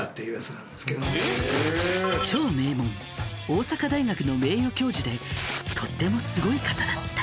超名門大阪大学の名誉教授でとってもすごい方だった。